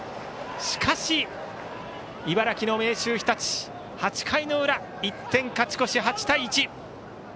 しかし、茨城の明秀日立８回の裏、１点勝ち越し２対１。